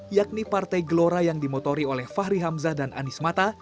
yakni partai gelora yang dimotori oleh fahri hamzah dan anies mata